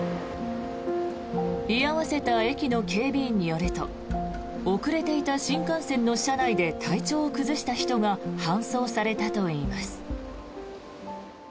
居合わせた駅の警備員によると遅れていた新幹線の車内で体調を崩した人が搬送されたといいます。